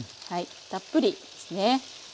たっぷりですね。